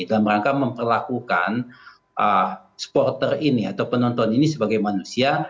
dalam rangka memperlakukan supporter ini atau penonton ini sebagai manusia